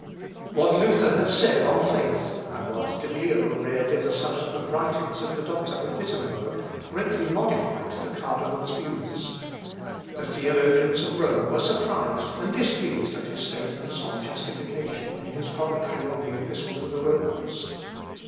What Luther had said on faith, and what De Vio read in the subsequent writings of the doctor of Wittemberg, greatly modified the cardinal's views. The theologians of Rome were surprised and displeased at his statements on justification in his Commentary on the Epistle to the Romans.